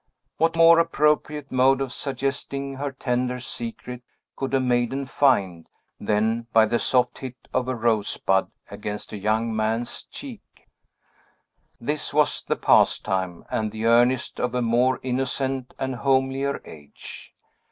What more appropriate mode of suggesting her tender secret could a maiden find than by the soft hit of a rosebud against a young man's cheek? This was the pastime and the earnest of a more innocent and homelier age.